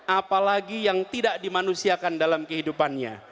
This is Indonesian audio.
apalagi yang tidak dimanusiakan dalam kehidupannya